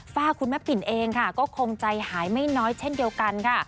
ฝากคุณแม่ปิ่นเองค่ะก็คงใจหายไม่น้อยเช่นเดียวกันค่ะ